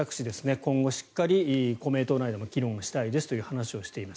今後しっかり公明党内でも議論したいですと話しています。